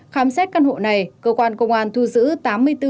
khám xét căn hộ này cơ quan công an thu giữ